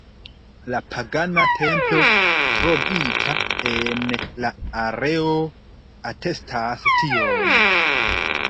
La pagana templo trovita en la areo atestas tion.